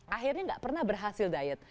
akhirnya gak pernah berhasil diet